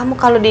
lu ngerti dia